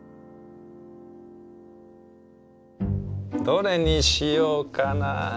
どれにしようかな。